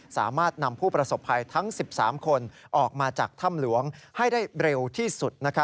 สามารถนำผู้ประสบภัยทั้ง๑๓คนออกมาจากถ้ำหลวงให้ได้เร็วที่สุด